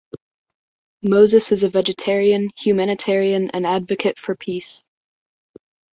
Moses is a vegetarian, humanitarian and advocate for peace.